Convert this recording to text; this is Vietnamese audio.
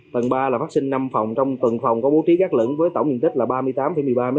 tầng ba là phát sinh năm phòng trong từng phòng có bố trí gác lửng với tổng diện tích là ba mươi tám một mươi ba m hai